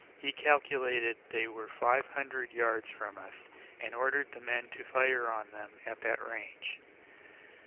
He calculated they were five hundred yards from us, and ordered the men to fire on them at that range.